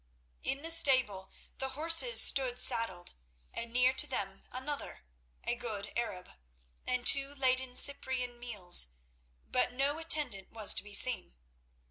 In the stable the horses stood saddled, and near to them another—a good Arab—and two laden Cyprian mules, but no attendant was to be seen.